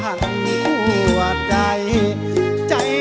หัวใจใจจะขายหัวใจจะขาย